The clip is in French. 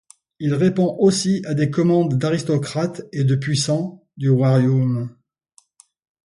Il répond aussi à des commandes d'aristocrates et de puissants du royaume.